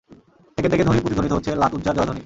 থেকে থেকে ধ্বনিত-প্রতিধ্বনিত হচ্ছে লাত উয্যার জয়ধ্বনি।